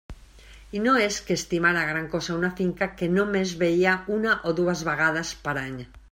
I no és que estimara gran cosa una finca que només veia una o dues vegades per any.